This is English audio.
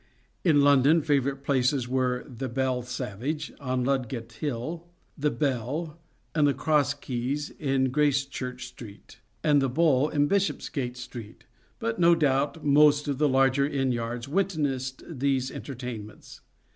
In London favourite places were " The Belle Savage " on Ludgate Hill, " The Bell " and " The Cross Keys " in Grace church Street, and "The Bull" in Bishopsgate Street, but no doubt most of the larger inn yards witnessed these entertainments.